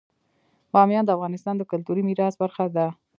بامیان د افغانستان د کلتوري میراث برخه ده.